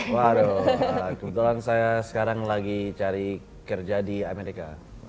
waduh kebetulan saya sekarang lagi cari kerja di amerika